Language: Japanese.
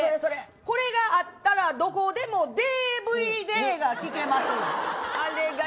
これがあったらどこでもデーブイデーが聞けます。